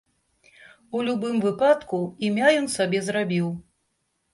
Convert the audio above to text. У любым выпадку, імя ён сабе зрабіў.